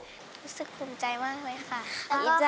รู้สึกภูมิใจมากเลยค่ะ